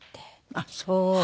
あっそう。